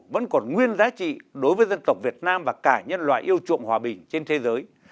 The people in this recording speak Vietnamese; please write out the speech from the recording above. vẫn còn nguyên giá trị đối với dân tộc việt nam và cả nhân loại yêu chuộng hòa bình trên thế giới